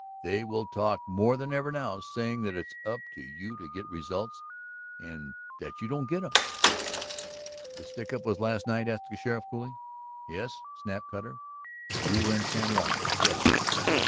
They will talk more than ever now, saying that it's up to you to get results and that you don't get them." "The stick up was last night?" asked the sheriff coolly. "Yes," snapped Cutter. "You were in San Juan?" "Yes."